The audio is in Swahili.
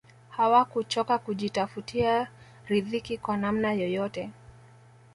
hawakuchoka kujitafutia ridhiki kwa namna yoyote